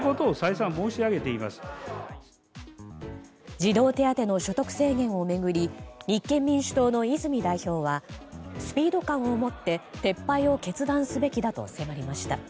児童手当の所得制限を巡り立憲民主党の泉代表はスピード感を持って撤廃を決断すべきだと迫りました。